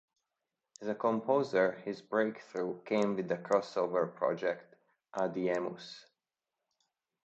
As a composer, his breakthrough came with the crossover project "Adiemus".